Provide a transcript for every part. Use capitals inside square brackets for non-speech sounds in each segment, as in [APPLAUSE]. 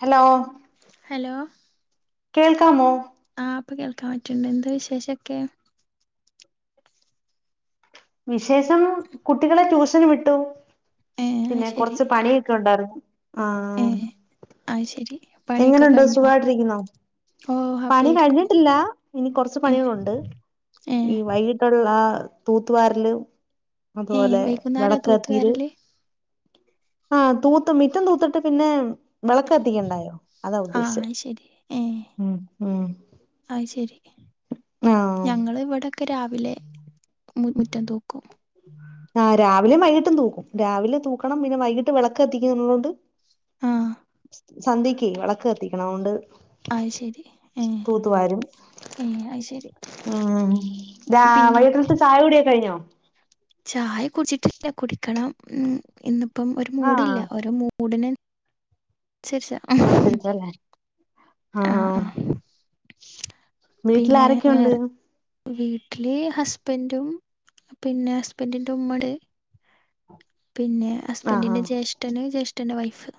Hello hello കേൾക്കാമോ മാപ്പ കേൾക്കാൻ പറ്റുണ്ട് എന്താ വിശേഷക്കെ വിശേഷം കുട്ടികളെ ട്യൂഷന് വിട്ടു ഏഹ് അത് പിന്നെ ശരി കൊറച്ച് പണിയൊക്കെ ഉണ്ടായിരുന്നു ആ ഏഹ് അത് ശരി പണിയൊക്കെ എങ്ങനെണ്ട് കഴിഞ്ഞോ സുഖായിട്ടിരിക്കുന്നോ ഓ ഹാപ്പി പണി ആയിരിക്കും കഴിഞ്ഞിട്ടില്ല ഇനി കുറച്ച് ഏഹ് പണികളുണ്ട് ഏഹ് ഈ വൈകിട്ടുള്ള ആ തൂത്ത് വാരല് ഏഹ് അതുപോലെ വൈകുന്നേരാ തൂത്ത് വെടക്കത്തിീര് വാരല് ആഹ തൂത്ത് മിറ്റം തൂത്തിട്ട് പിന്നെ വിളക്ക് കത്തിക്കണ്ടായോ അതാ ഉദ്ദേശിച്ചെ ആഹ് ശരി ഏ ഉം ഉം ആ ശരി ആഹ് ഞങ്ങ ഇവിടൊക്കെ രാവിലെ മുറ്റം തൂക്കും ആ് രാവിലെയും വൈകിട്ടും തൂക്കും രാവിലെ തൂക്കണം പിന്നെ വൈകിട്ട് വിളക്ക് എത്തിക്കുന്നുള്ളതുകൊണ്ട് ആഹ് സന്ധക്ക് വിളക്ക് കത്തിക്കണം അൊണ്ട് ആ ശരി ഏ ഉം ഇാ പിൻ വൈകീട്ടിലത്ത് ചായ കൂടിയ കഴിഞ്ഞോ ചായ കുടിച്ചിട്ടില്ല കുടിക്കണം ഉ ഇന്നിപ്പം ഒരു മൂടില്ല ആഹ് ഒരു മൂടിന് ശരി സാ സംസാരിച്ചല്ലേ ആഹ് വീട്ടില പിന്നെ ആാരൊക്കെയുണ്ട് വേറെ വീട്ടില് ഹസ്ബൻറും പിന്നെ ഹസ്ബന്റിൻ്റെ ഉമ്മടെ പിന്നെ ആഹ് ഹസ്ബൻഡിന്റെ ജ്യേഷ്ഠന് ജ്യേഷ്ഠന്റെ വൈഫ്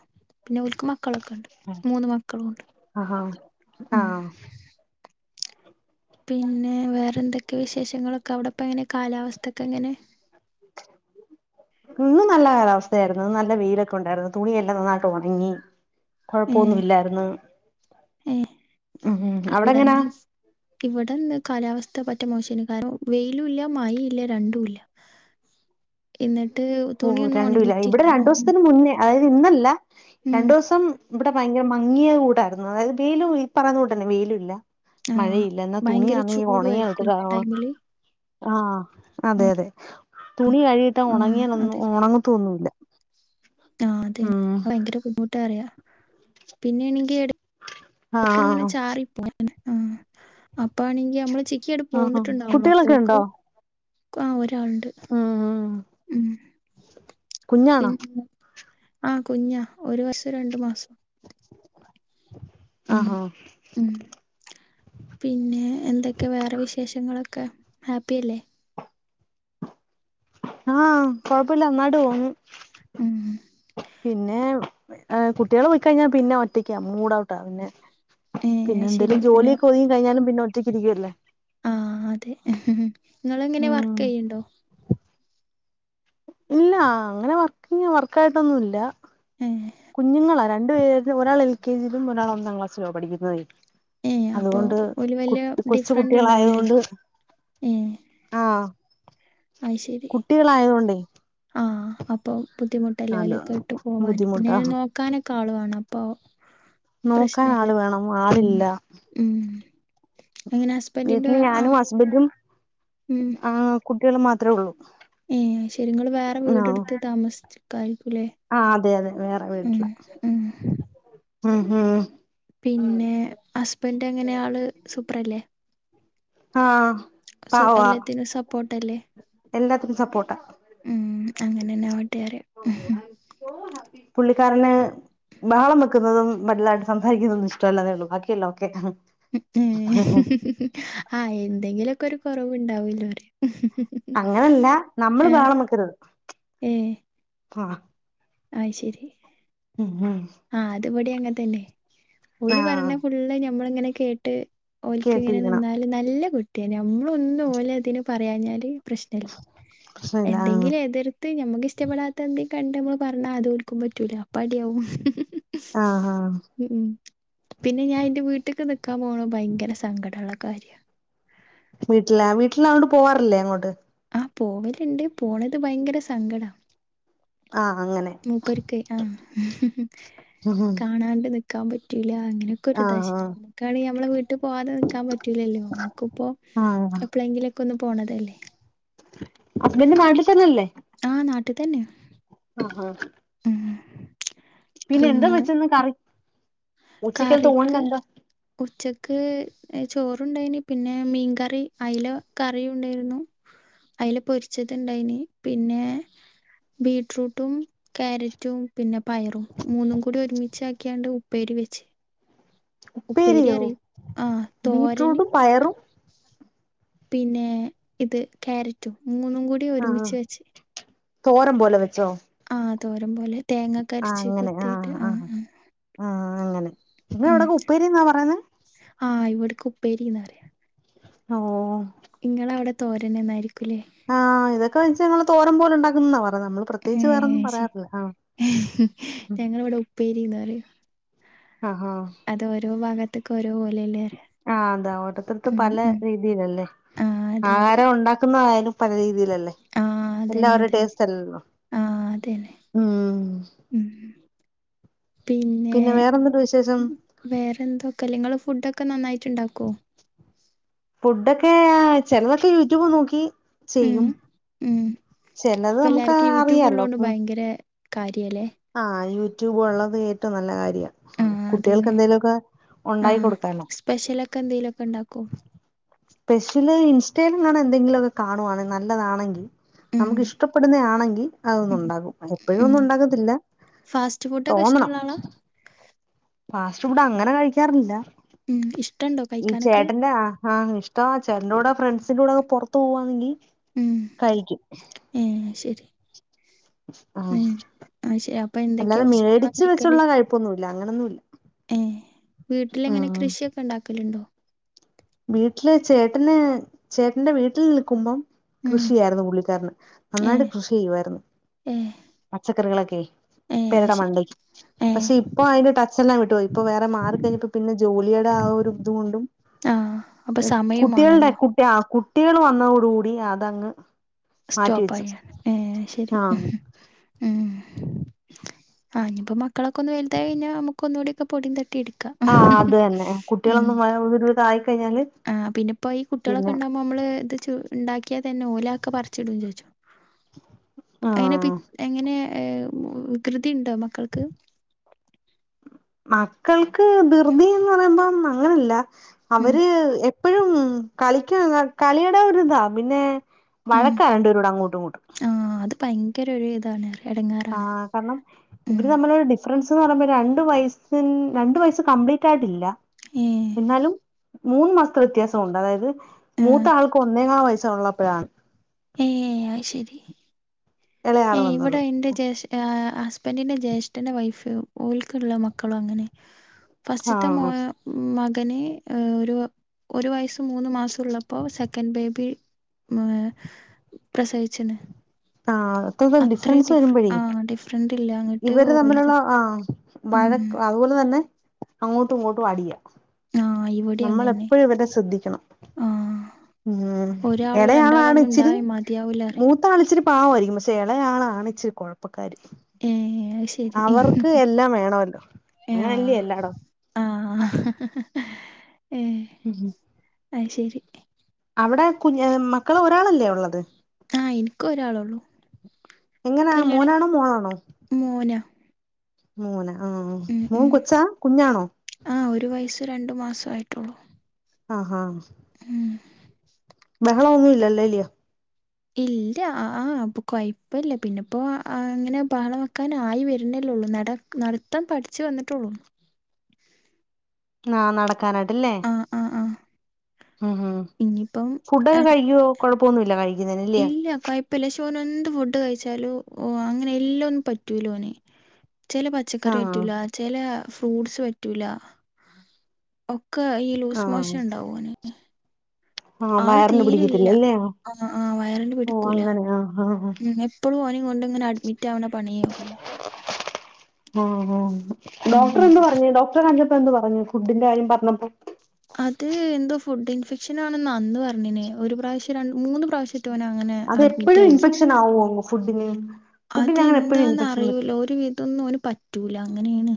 പിന്നെ ഒക്ക് മക്കളൊക്കെ ഉണ്ട് ആഹ് മൂന്ന് മക്കളുംണ്ട് ആഹാ ഉം ആഹ് പിന്നെ വേറെ എന്തൊക്കെ വിശേഷങ്ങളൊക്കെ അവിടെപ്പ എങ്ങനെ കാലാവസ്ഥൊക്കെ എങ്ങനെ [INAUDIBLE] ഇന്ന് നല്ല അവസ്ഥയായിരുന്നു നല്ല വെയിലൊക്കെ ഉണ്ടായിരുന്നു തുണിയെല്ലാം നന്നായിട്ട് ഉണങ്ങി കൊഴപ്പൊന്നുമ ഇല്ലായിരുന്നു ഏ ഉം ഉം അവിടെ എങ്ങനാ ഇവിടെന്ന് ഇവിടെന്ന് കാലാവസ്ഥ ഇ പറ്റ മോശന് കാരണം വെയിലും ഇല്ല മഴ ഇല്ല രണ്ടും ഇല്ല എന്നിട്ട് ഓ തുണിയൊന്നും രണ്ടുല്ല ഇവിടെ ഉണങ്ങിട്ടില്ല രണ്ടു ദിവസത്തിന് മുന്നേ അതായത് ഇന്നല്ല രണ്ടു ദെവസം ഇവിടെ ഭയങ്കര മങ്ങിയ കൂടായിരുന്നു അതായത് വെയിലും ഈ പറയുന്നകൂട്ട് തന്നെ വെയിലും ഇല്ല ആഹ് മഴയില്ല എന്നാ ഭയങ്കര തുണിയാന്നേ ചൂടു ഉണങ്ങാതാട്ട് ആയിരിക്കുംല്ലേ ആ കാണ ടൈമില് - ആഹ് അതെ അതെ തുണികഴിയിട്ടാ ആഹ് ഒണങ്ങിയാനൊന്നും അതെ ഒണങ്ങത്തൊന്നുമല്ല ആഹ് അതെ തന്നെ ഭയങ്കര ബുദ്ധിമുട്ടാ പറയ്‌വ പിന്നെണെങ്കി എട് ക്ക്‌ ഇങ്ങനെ ആഹ് ചാറി പോവും ആഹ് അപ്പ ആണെങ്കി നമ്മള് ചിക്കി ആൻണ്ട് ആഹ് പോന്നിട്ടുണ്ടാവോള്ളു കുട്ടികളൊക്കെ അപ്പോക്ക് ഉണ്ടോ ആ ഒരാണ്ട് ഉം ഉം ഉം കുഞ്ഞാണോ പിന്നാ ആ കുഞ്ഞാ ഒരു വർഷും രണ്ടു മാസും ഉം ആഹാ ഉം പിന്നെ എന്തൊക്കെ വേറെ വിശേഷങ്ങള് ക്കെ ഹാപ്പി അല്ലെ? ആഹ് കൊഴപ്പല്ല നന്നായിട്ട് പോവുന്നു ഉം പിന്നെ കുട്ടികള് പോയി കഴിഞ്ഞാ പിന്നെ ഒറ്റക്കാ മൂഡ് ഔട്ടാ പിന്നെ ഏ പിന്നെ അത് ശരി എന്തേലും ജോലിയൊക്കെ ഒതുങ്ങി കഴിഞ്ഞാലും പിന്നെ ഒറ്റക്ക് ഇരിക്കല്ലേ ആഹ് അതെ നിങ്ങള് എങ്ങനെ ഉം വർക്ക് ചെയ്യ്ണ്ടോ? ഇല്ല അങ്ങനെ വർക്ക് വർക്കായിട്ടൊന്നുല്ല ഏ ഒരാള് എൽകെജി യിലും ഒരാള് ഒന്നാം ക്ലാസിലു ആ പഠിക്കുന്നത് ഏ അപ്പൊ അതുകൊണ്ട് ഓല് കു വല്യ കൊച്ചു കുട്ടികളായതു കൊണ്ട് ഹേ കുട്ടികളായത് കൊണ്ടേ ആഹ് അപ്പൊ ബുദ്ധിമുട്ടല്ലെ അത് ഓലൊക്കെ ഇട്ട് പോവാന് പിന്നെ ബുദ്ധിമുട്ടാ നോക്കാനൊക്കെ ആള് വാണം അപ്പൊ നോക്കാൻ പ്രശ്നല്ല ആള് വേണം ഉം ആളില്ല ഉം എങ്ങനെ ഹസ്ബൻഡിന്റെ വീട്ടില് ആ ഞാനും ഹസ്ബന്റും ആഹ് കുട്ടികളും മാത്രേ ഒള്ളു ഏഹ് ശെരി ഇങ്ങള് വേറെ വീട് ഇട്ത്ത് താമസിചെക്കാ ആഹ് അതെ അതെ വേറെ വീട്ട്ലാ ഉം ഉം ഉം പിന്നെ ഹസ്ബന്റ് എങ്ങനെ ആള് സൂപ്പറല്ലേ? ആഹ് സോ പാവാ എല്ലത്തിനും സപ്പോട്ടല്ലേ എല്ലാത്തിനും സപ്പോർട്ടാ ഉം അങ്ങനെന്നെ ആവട്ടെ [UNINTELLIGIBLE] പുള്ളിക്കാരൻ ബഹളം വെക്കുന്നതും വല്ലാണ്ടെ സംസാരിക്കുന്നതൊന്നും ഇഷ്ടല്ലാ ന്നെ ഉള്ളൂ ബാക്കിയല്ലാം ഓക്കെ ആഹ് എന്തെങ്കിലൊക്കെ ഒരു കുറവുണ്ടാവൂലോ അറിയ അങ്ങനല്ല നമ്മള് ബഹളം വെക്കരുത് ഏഹ് ആഹ് അയ് ശരി ഉമ് ഉമ് ആഹ് അത് വടി അങ്ങനെത്തന്നെ ഓല് ആഹ് പറഞ്ഞ ഫുള്ള് ഞമ്മള ഇങ്ങനെ കെ ട്ട് ഓൽക്ക് ഇങ്ങനെ കേട്ടിരിക്കണം നിന്നാല് നല്ല കുട്ടിയ നമ്മളൊന്നും ഓലതിന് പറയാഞ്ഞാല് പ്രശ്നല്ല പ്രശ്നല്ല ആ എന്തെങ്കിലും എതിർത്ത് നമ്മക്ക് ഇഷ്ടപ്പെടാത്ത എന്തെങ്കിലും കണ്ട നമ്മള് പറഞ്ഞ അതോൽക്കും പറ്റൂല അപ്പടിയാവും ആ ആ ഉമ് പിന്നെ ഞാൻ ഇന്റെ വീട്ട്ക്ക്‌ നിക്കാ പോണ ഭയങ്കര സങ്കടള്ള കാ കാര്യാ വീട്ടില വീട്ടിൽ അങ്ങോണ്ട് പോവാറില്ലേ അങ്ങോട്ട് ആഹ് പോവൽണ്ട് പോണത് ഭയങ്കര സങ്കടാ. ആ അങ്ങനെ മൂപ്പര്ക്ക് ആഹ് ഉം ഉം കാണാണ്ട് നിക്കാൻ പറ്റൂല അങ്ങനെയൊക്കെ ഒരു ആ ഇതാ ശ ആ നമ്മുക്കാണെങ്കിൽ നമ്മളെ വീട്ടിൽ പോകതെക്കാൻ പറ്റൂലല്ലോ നമ്മുക്കിപ്പോ ആഹ് എപ്പോഴെങ്കിലും കൊന്ന് പോണതല്ലേ ഹസ്ബന്റ് നാട്ടിൽ തന്നല്ലേ ആഹ് നാട്ടി തന്നെ ആഹ് ഉം പിന്നെ എന്താ വെച്ചന്ന് കറി ഉച്ചഖത്തെ ഊണിന് കറിക്ക് എന്താ ഉച്ചക്ക് ചോറണ്ടായിന് പിന്നെ മീൻകറി ഐല കറിയും ഉണ്ടായിരുന്നു അതില പൊരിച്ചത്ണ്ടായിന് പിന്നെ ബീട്റൂട്ടും കാരറ്റും പിന്നെ പയറും മൂന്നും കൂടി ഒരുമിച്ച് ആക്കിയാണ്ട് പേരി വച്ച് ഉപ്പേരി ഉപ്പേരിയോ അറ ആഹ് തോരന് ബീറ്റ്റൂട്ടും പയറും പിന്നെ ഇത് ക്യാരറ്റും മൂന്നും കൂടി ആഹ് ഒരുമിച്ച് വെച്ച് തോരം പോലെ വെച്ചോ ആ തോരം പോലെ തേങ്ങക്ക ആഹ് അരച്ച് അങ്ങനെ കുത്തിയിട്ട് ആഹ് ആ ആഹ് ആഹ് അങ്ങനെ നിങ്ങ എവിടെെ ഉപ്പേരി എന്നാ പറയുന്ന ആഹ് ഇവിടെ കുപ്പേരിന്നാ പറയാ ഓ ഇങ്ങളവിടെ തോരന്നെ എന്നായിരിക്കൂലേ ഒക്കെ ഞങ്ങള് തോം പോലെ ഉണ്ടാക്കുന്നതാണ് ഏ ശരി ഉം ഞങ്ങ ഇവിടെ ഉപ്പേരിന്നാ പറയാ ആഹാ ആഹ് അത് ഓരോ ഭാഗത്തക്ക ആഹ് അതാ ഓട്ടത്തിടുത്ത് ഉം പല ഉം രീതിയിലല്ലേ ആഹ് അതെ അതെ ആഹാരം ഉണ്ടാക്കുന്ന ആയാലും പല രീതിയിലല്ലേ ആഹ് അതന്നെ എല്ലാവരുടെ അതന്നെ ടേസ്റ്റ് അല്ലല്ലോ ആഹ് അതന്നെ ഉം ഉം പിന്നെ വേറെന്തുണ്ട് വിശേഷം വേറെന്തോ കല്ങ്ങൾ ഫുഡൊക്കെ നന്നായിട്ടുണ്ടാക്കോ ഫുഡൊക്കെ ചെലതൊക്കെ യൂട്യൂബ് നോക്കി ഉം ചെയ്യും ഉ ചെലത് ഇപ്പ നമുക്ക് എല്ലാർക്കും യൂട്യൂബ് അറിയാലോ ഉള്ളോണ്ട് ഭയങ്കര കാര്യല്ലേ ആഹ് യൂട്യൂബ് ഉള്ളത് ഏറ്റവും നല്ല കാര്യ ആഹ് അതന്നെ കുട്ടികൾക്ക്ന്തെലുമൊക്കെ ആഹ് സ്പെഷ്യലൊക്കെ എന്തെലും ക്കെ ഉണ്ടാക്കോ സ്പെഷ്യല് ഇൻസ്റ്റയിൽ നിന്ന എന്തെങ്കിലുമൊക്കെ കാണുാണ് നല്ലതാണെങ്കിൽ ഉം നമുക്ക് ഇഷ്ടപ്പെടുന്ന ആണെങ്കിൽ അതൊന്ന് ഉം ഉണ്ടാകും എപ്പോഴും ഉം ഒന്നും ഉണ്ടാക്ക ത്തില്ല ഫാസ്റ്റ് ഫുഡൊക്കെ തോന്നണം ഇഷ്ടമുള്ള ആളാ ഫാസ്റ്റ് ഫുഡ് അങ്ങനെ കഴിക്കാറില്ല ഉം ഇഷ്ടണ്ടോ ഈ കഴിക്കാനൊക്കെ ചേട്ടന്റെ ആ ആഹ് ഇഷ്ട ചെട്ടന്റെോടെ ഫ്രണ്ട്സിന്റെ കൂടെ ഒക്കെ പുറത്തു പോവാന്നെങ്കി ഉം കഴിക്കും ഏ ശരി ആഹ് ഉം ആ ശരി അപ്പൊ എന്തൊക്കെയാ അല്ലാതെ ഭക്ഷണങ്ങള മേടിച്ച് കഴിക്കല് വെച്ചുള്ള കഴിപ്പൊന്നുല്ല അങ്ങനൊന്നുല്ല വീട്ടില എങ്ങനെ ഉം കൃഷിയൊക്കെ ഉണ്ടാക്കലുണ്ടോ വീട്ടില് ചേട്ടന് ചേട്ടന്റെ വീട്ടിൽ നിൽക്കുമ്പം ഉം കൃഷിയായിരുന്നു പുള്ളിക്കാരന് ഏ നന്നായിട്ട് കൃഷി ചെയ്യുവായിരുന്നു ഏ പച്ചക്കറികളൊക്കെ ഏ പെരട അത് ശരി മണ്ടയ്ക്ക് ഏ പക്ഷെ ഇപ്പൊ അതിന്റെ ടച്ച്ല്ലാം വിട്ടുപോയി ഇപ്പൊ വേറെ മാറി കഴിഞ്ഞപ്പോ പിന്നെ ജോലിയുടെ ആ ഒരു ഇതുകൊണ്ടും ആഹ് കുട്ടികളുടെ കുട്ടി ആ കുട്ടികൾ വന്നതോട കൂടി അതങ്ങ് മാറ്റിവെച്ചു സ്റ്റോപ്പായാണ് ഏ ശരി ആഹ് ഉം ആ ഇനിപ്പോ മക്കളൊെ ഒന്ന് വലുതായി കഴഞ്ഞാ നമുക്ക്ന്നൂടി ഒെ പൊടി തട്ടി എടുും ആഹ് അത് തന്നെ ഉം കുട്ടികളൊന്നും ഒരുവിധം ആയിക്കഴിഞ്ഞാല് ആ പിന്നെപ്പോൊ ഈ കുട്ടികളൊക്കെ പിന്നെ ഉണ്ടാവകുമ്പോ നമ്മള് ഇത് ഉണ്ടാക്കിയാ തന്നെ ഓല ഒക്കെ പറിച്ചിടും ചോദിച്ചോ അങ്ങനെ പി ആഹ് എങ്ങനെ ഏ കൃതി ഉണ്ടോ മക്കൾക്ക് മക്കൾക്ക് ധ്യതിന്ന് പറയുമ്പം അങ്ങനല്ല ഉം അവര് ഇപ്പഴും കളിക്ക കളിയുടെ ഒര് ഇതാ പിന്നെ ഉം വഴക്കാ രണ്ട് പേരുടെ അങ്ങോട്ടും ഇങ്ങോട്ടും ആഹ് അത് ഭയങ്കര ഒരു ഇതാണ് എടങ്ങേറാണ് ആഹ് കാരണം ഉം ഇവര് തമ്മിലൊരു ഡിഫറൻസ് പറയുമ്പോ രണ്ട് വയ രണ്ടു വയസ് കംപ്ലീറ്റ് ആയിട്ടില്ല ഏഹ് എന്നാലും മൂന്ന് മാസത്തെ വ്യത്യാസൊണ്ട് അതായത് മൂത്ത ആഹ് ആൾക്ക് ഒന്നേ കാ വയസുള്ളപ്പോഴാ ഏഹ് അയ്ശരി ഇളയാള് ഏഹ് വന്നത് ഇവിടെ എൻ്റെ ജേഷ് ആഹ് ഹസ്ബൻഡിന്റെ ജ്യേഷ്ഠന്റെ വൈഫ് ഓല്ക്ക്ള്ള മക്കളും അങ്ങനെ ആ ഫസ്റ്റിത്തെ മോ മകന് ഒരു ഒരു വയസ മൂന്ന് മാസൊള്ളപ്പോ സെക്കൻഡ് ബേബി ഉം പ്രസവിച്ച്ണ് ആ അത്ര ഡിഫ്റൻസ് ഡിഫ വരുമ്പഴേ ആഹ് ഡിഫറന്റ് ഇല്ല അങ്ങട്ട് ഇവര് ഓൽതാ തമ്മില്ള്ള ആഹാ.. ഉം വഴ ഉം അതുപോലെ തന്നെ അങ്ങോട്ടും ഇങ്ങോട്ടും അടിയ. ആഹ് ഇവിടിം അങ്ങന്നെ നമ്മളെപ്പൊഴും ഇവരെ ശ്രദ്ധിക്കണം. ആഹ് ഉം ഒരാളോ രണ്ടാളോ എടയാളാണ് ഒന്നും ഉണ്ടായ ഇച്ചിരി- മതിയാവൂല അറിയ മൂത്താളിച്ചിരി പാവായിരിക്കും. ചെളയാളാചി കൊഴപ്പക്കാര്. ഏ അത് ശരി അവർക്ക് എല്ലാം വേണല്ലോ അങ്ങനല്ലേ? അങ്ങനെ അല്ലേ ആഹ് എല്ലാടോം. ആഹ് ഏ ആയ് ശരി. അവിടെ കുഞ്ഞ് മക്കള് ഒരാളല്ലേ ഉള്ളത്? ആഹ് എനിക്ക് ഒരാളൊള്ളൂ എങ്ങനാ കല്യാണം മൂനാണോ മോളാണോ? മോനാ മൂന ആ ഉം മൂൻ ഉം കൊച്ചാ കുഞ്ഞാണോ? ആഹ് ഒരു വയസ്സു രണ്ടു മാസു ആയിട്ടൊള്ളൂ. ആഹാ... ഉം.... ബഹളൊന്നുല്ലല്ലോ ല്ലെയൊ? ഇല്ല അപ്പൊ കൊയ്പ്പല്ല പിന്നെപ്പോ അങ്ങനെ ബഹള വെക്കാ. നായി വരണെല്ലോ നട നടത്തം പഠിച്ചു വന്നിട്ടൊള്ളൂ. ആ നടക്കാനായിട്ട്ല്ലേ? ആഹ് ആഹ് ആഹ് ഉം ഹും ഇനിയിപ്പം ആ, ഫുഡൊക്കെ കഴിക്കോ? കൊഴപ്പൊന്നുല്ല കഴിക്കോ? ഇല്ല കൊയ്പല്ല ശ്- ഓനെന്ത് ഫുഡ് കഴിച്ചാലും, ഓ അങ്ങനെ എല്ലാം ഒന്നും പറ്റൂലോന്. ചെല പച്ചക്കറി ആഹ് പറ്റൂല ചെല ഫ്രൂട്ട്സ് പറ്റൂല ഒ ക്കെ ഈ ലൂസ് ആഹ് മോഷൻ ണ്ടാവോന് ആഹ് ആള് വയറിന് തീരെല്ല പിടിക്കത്തില്ലല്ലേ ആഹ് ആഹ് ആഹ് വയറിന് ഓ പിടിക്കൂല. അങ്ങനെ ആഹ് ആഹ് ഉം എപ്പളും ഓനിം കൊണ്ട്ങ്ങനെ അഡ്മിറ്റാവ്ണ പണിയൊള്ളൂ. ആഹ് ആഹ് ഉം ഉം ഡോക്ടറെന്ത് പറഞ്ഞു ഡോക്ടറെ കാണിച്ചപ്പോ എന്ത് പറഞ്ഞു ഫുഡിന്റെ കാര്യം പറഞ്ഞപ്പോ ഫുസ്സിൻഫെക്ഷനാണ്ന്ന അന്ന് പറഞ്ഞീനെ ഒരു പ്രാശ്യം രണ് മൂന്ന് പ്രാവശ്യറ്റെ ഓന് അങ്ങനെ അഡ്മിറ്റ് അതെപ്പഴും ഇൻഫെക്ഷനാവോ ഫുഡ്ഡിന് അതെന്താന്നറിയൂല ഒരു വിധൊന്നോന് പറ്റൂല അങ്ങനേണ്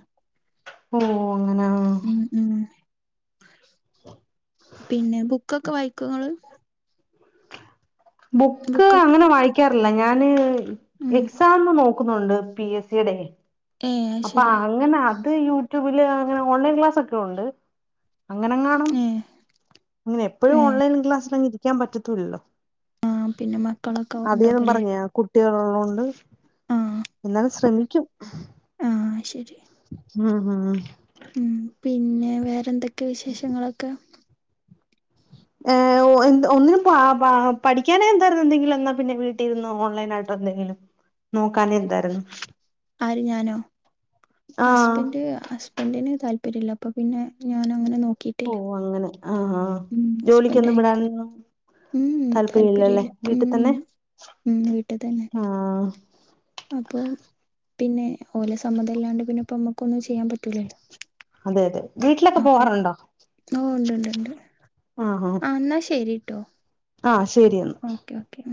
ഉം ഉം ഉം പിന്നെ ബുക്കൊക്കെ വായിക്കൊങ്ങള് ബുക്ക് അങ്ങനെ വായിക്കാറില്ല ഞാന് ഉം എക്സാംമ് നോ ക്കുന്നുണ്ട് പി എസ് സീടെ. ഏഹ് അപ്പൊ അയ്ശരി അങ്ങനെ അത് യൂട്യൂബില് അങ്ങനെ ഓൺലൈൻ ക്ലാസൊക്കെ ഉണ്ട് അങ്ങനെങ്ങാണും ഏഹ് അങ്ങനെ എപ്പോഴും ഏഹ് ഓൺലൈൻ ക്ലാസ്സിലങ്ങിരിക്കാൻ പറ്റത്തൂല്ലല്ലോ. ആഹ് പിന്നെ മക്കളൊക്കെ ഉണ്ടോ അതേന്നും പോലെ പറഞ്ഞ കുട്ടികളുള്ളോണ്ട് എന്നാലും ശ്രമിക്കും. ആഹ് ശരി ഉം ഉം ഉം പിന്നെ വേറെന്തൊക്കെ വിശേഷങ്ങളൊക്കെ ഒന്നിനും പാപാ പഠിക്കാനെന്തായിരുന്നു എന്തെങ്കിലെന്നാ പിന്നെ വീട്ടിലിന്ന് ഓൺലൈനായിട്ടോ എന്തെങ്കിലും നോക്കാനെന്തായിരുന്നു ആര് ഞാനോ ആഹ് ഹസ്ബൻ്റ് ഹസ് ബന്റിന് താല്പര്യല്ല അപ്പൊ പിന്നെ ഞാനൊങ്ങനെ നോ ഓ ട്ടില്ല അങ്ങനെ ആഹ് ആഹ് ഉം ജോലിക്കൊന്നും ഹസ്ബൻ്റയക്കും. വിടാനൊന്നും ഉം താല്പര്യ താല്പര്യമില്ലല്ലേ ഇല്ല വീട്ടിൽ ഉം തന്നെ ഉം വീട്ടിൽ തന്നെ ആഹ് അപ്പൊ പിന്നെ ഓലെ സമ്മതം ഇല്ലാണ്ട് പിന്നെ ഇപ്പമ്മുക്ക് ഒന്നും ചെയ്യാൻ പറ്റൂലല്ലോ അതെ അതെ വീട്ടിലൊക്കെ അപ്പൊ പോവാറുണ്ടോ ഓ ഉണ്ട്ണ്ട് ഉണ്ട് ആഹ് ആഹ് ആ എന്നാ ശരിട്ടോ ആഹ് ശരിയന്നാ ഓക്കെ ഓക്കെ ഉം